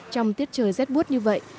trong tiết trời rét bút như vậy